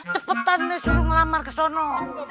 cepetan nih suruh ngelamar kesana